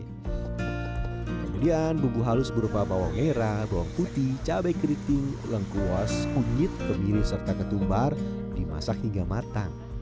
kemudian bumbu halus berupa bawang merah bawang putih cabai keriting lengkuas kunyit kemiri serta ketumbar dimasak hingga matang